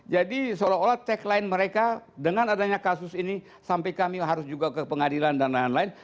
jadi seolah olah tag lain mereka dengan adanya kasus ini sampai kami harus juga ke pengadilan dan lain lain